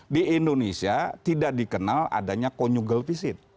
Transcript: di indonesia tidak dikenal adanya konyugel pisit